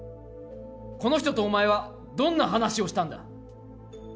この人とお前はどんな話をしたんだ？